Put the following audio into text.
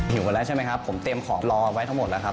กันแล้วใช่ไหมครับผมเตรียมของรอไว้ทั้งหมดแล้วครับ